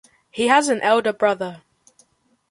He has an elder brother.